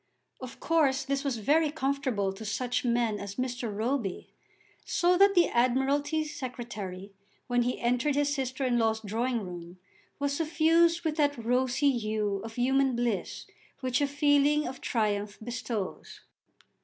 Of course this was very comfortable to such men as Mr. Roby, so that the Admiralty Secretary when he entered his sister in law's drawing room was suffused with that rosy hue of human bliss which a feeling of triumph bestows.